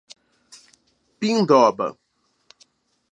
Pindoba